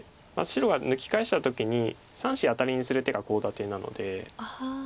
白が抜き返した時に３子アタリにする手がコウ立てなので。